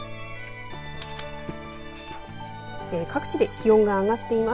各地で気温が上がっています。